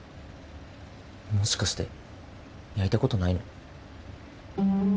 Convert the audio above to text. もしかして焼いたことないの？